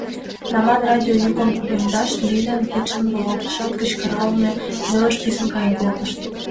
Раман радио йӱкым кугемдыш, Лилян кидшым руалтышат, кычкыралме велыш писын каен колтышт.